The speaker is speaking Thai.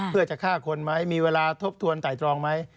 เพื่อจะฆ่าคนไหมมีเวลาทบทวนไต่ตรองไหม